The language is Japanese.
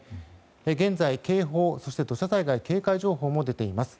現在、警報、そして土砂災害警戒情報も出ています。